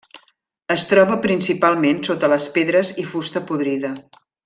Es troba principalment sota les pedres i fusta podrida.